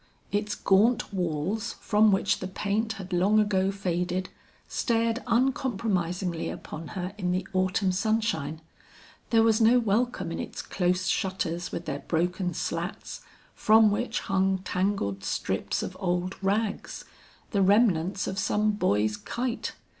Its gaunt walls from which the paint had long ago faded, stared uncompromisingly upon her in the autumn sunshine. There was no welcome in its close shutters with their broken slats from which hung tangled strips of old rags the remnants of some boy's kite.